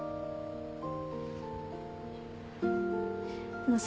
あのさ